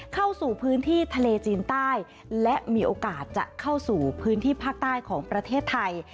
เข้าสู่พื้นที่ทะเลจีนใต้และมีโอกาสจะเข้าสู่พื้นที่ภาคใต้ของประเทศไทย